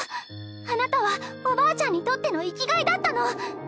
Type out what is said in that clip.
あなたはおばあちゃんにとっての生きがいだったの。